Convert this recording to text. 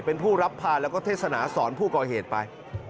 เป็นผู้รับพาแล้วก็เทศนาสอนผู้ก่อเหตุไป